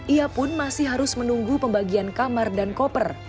ia pun masih harus menunggu pembagian kamar dan koper